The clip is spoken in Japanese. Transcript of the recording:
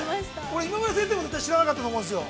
◆これ、今村先生も絶対知らなかったと思うんですよ。